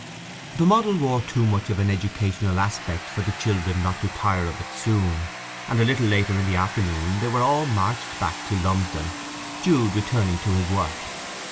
The model wore too much of an educational aspect for the children not to tire of it soon, and a little later in the afternoon they were all marched back to Lumsdon, Jude returning to his work.